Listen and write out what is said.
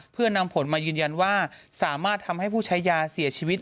เพื่อนำผลมายืนยันว่าสามารถทำให้ผู้ใช้ยาเสียชีวิต